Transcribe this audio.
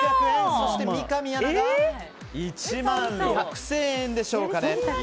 そして三上アナが１万６０００円でしょうか。